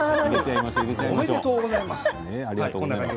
おめでとうございます。